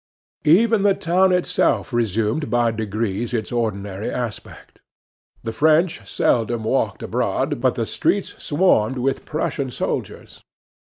Even the town itself resumed by degrees its ordinary aspect. The French seldom walked abroad, but the streets swarmed with Prussian soldiers.